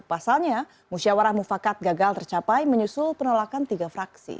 pasalnya musyawarah mufakat gagal tercapai menyusul penolakan tiga fraksi